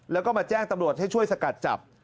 แล้วก็มาแจ้งตำรวจให้ช่วยสกัดจับ